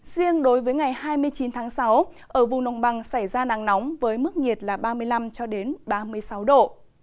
riêng đối với ngày hai mươi chín tháng sáu ở vùng đồng bằng xảy ra nắng nóng với mức nhiệt là ba mươi năm ba mươi sáu độ